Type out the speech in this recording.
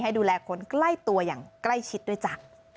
ดูแลคนใกล้ตัวอย่างใกล้ชิดด้วยจ้ะ